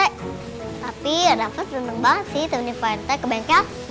tapi rafa seneng banget sih temenin pak rt ke bengkel